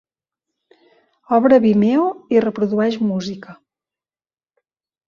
Obre Vimeo i reprodueix música.